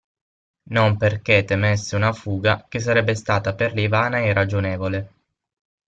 Non perché temesse una fuga, che sarebbe stata per lei vana e irragionevole.